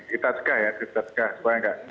kita cegah ya kita cegah supaya enggak